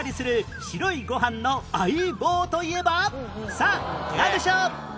さあなんでしょう？